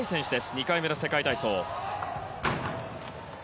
２回目の世界体操。